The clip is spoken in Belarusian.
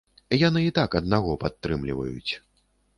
Яны і так аднаго падтрымліваюць.